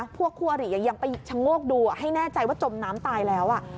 พวกคู่อริยังไปชะโงกดูให้แน่ใจว่าจมน้ำตายแล้ว